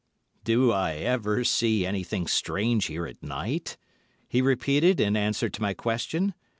"Do I ever see anything strange here at night?" he repeated in answer to my question.